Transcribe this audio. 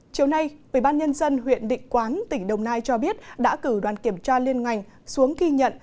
chiều nay bệnh ban nhân dân huyện định quán tỉnh đồng nai cho biết đã cử đoàn kiểm tra liên ngành xuống ghi nhận